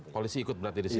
polisi ikut berarti di sini